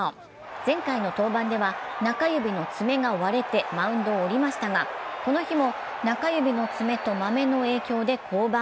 前回の登板では中指の爪が割れてマウンドを降りましたがこの日も中指の爪とマメの影響で降板。